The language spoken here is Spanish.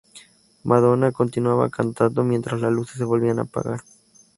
Madonna continuaba cantando mientras las luces se volvían a apagar.